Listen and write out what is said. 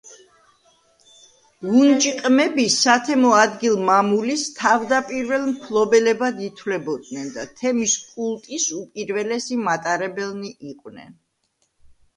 უნჯი ყმები სათემო ადგილ-მამულის თავდაპირველ მფლობელებად ითვლებოდნენ და თემის კულტის უპირველესი მატარებელნი იყვნენ.